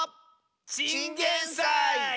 チンゲンサイ！